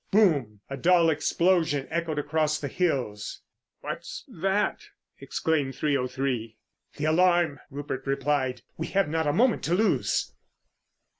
Boom! A dull explosion echoed across the hills. "What's that?" exclaimed 303. "The alarm," Rupert replied. "We have not a moment to lose."